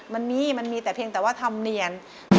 มันมีมันมีแต่เพียงแต่ว่าธรรมเนียน